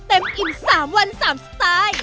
อิ่ม๓วัน๓สไตล์